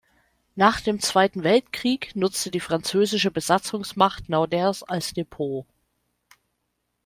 Nach dem Zweiten Weltkrieg nutzte die französische Besatzungsmacht Nauders als Depot.